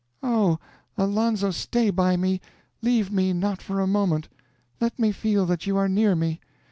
"Oh; Alonzo, stay by me! Leave me not for a moment! Let me feel that you are near me!